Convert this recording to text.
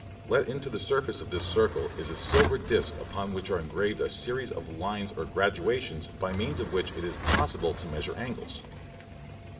Let into the surface of this circle is a silver disk upon which are engraved a series of lines or graduations by means of which it is possible to measure angles.